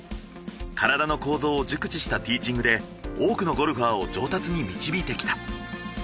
体の構造を熟知したティーチングで多くのゴルファーを上達に導いてきた。